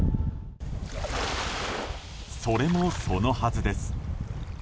それもそのはずです。